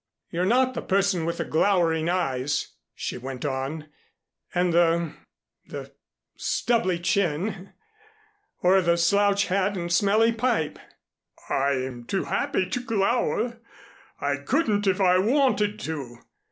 "You're not the person with the glowering eyes," she went on, "and the the stubbly chin or the slouch hat and smelly pipe " "I'm too happy to glower. I couldn't if I wanted to.